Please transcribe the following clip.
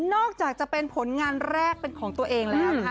อกจากจะเป็นผลงานแรกเป็นของตัวเองแล้วนะคะ